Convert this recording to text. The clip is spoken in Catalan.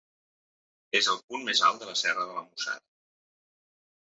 És el punt més alt de la serra de la Mussara.